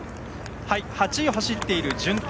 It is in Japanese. ８位を走っている順天。